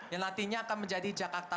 yang nantinya akan menjadi jakarta